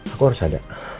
aku harus ada